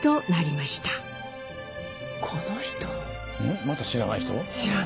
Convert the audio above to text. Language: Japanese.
また知らない人？